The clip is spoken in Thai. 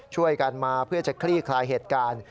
ช่วยกันมาเพื่อจะคลี่คลายเหตุการณ์